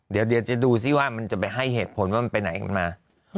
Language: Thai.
เดี๋ยวจะดูซิว่ามันจะไปให้เหตุผลว่ามันไปไหนกันมา